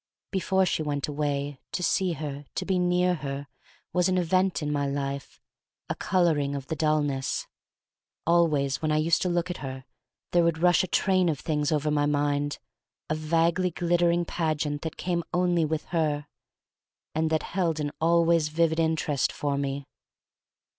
Before she went away, to see her, to be near her, was an event in my life — a coloring of the dullness. Always when I used to look at her there would rush a train of things pver my mind, a vaguely glittering pageant that came only with her, and that held an always vivid interest for me.